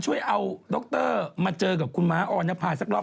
ช่วยเอาดรกเตอร์มาเจอกับคุณม้าอ่อนนภาษณ์สักรอบ